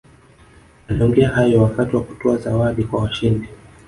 aliongea hayo wakati wa kutoa zawadi kwa washindi